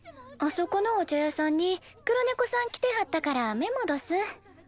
あそこのお茶屋さんに黒ねこさん来てはったからメモどす。